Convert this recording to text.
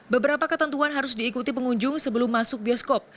beberapa ketentuan harus diikuti pengunjung sebelum masuk bioskop